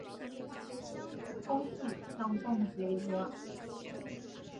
书展成为暑期的香港阅读周。